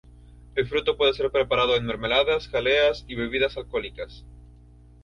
El fruto puede ser preparado en mermeladas, jaleas y bebidas alcohólicas.